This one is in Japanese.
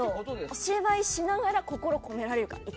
お芝居しながら心をいかに込められるか。